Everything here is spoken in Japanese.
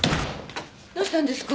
どうしたんですか？